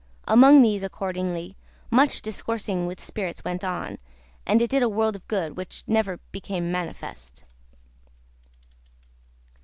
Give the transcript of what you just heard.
Among these, accordingly, much discoursing with spirits went on and it did a world of good which never became manifest.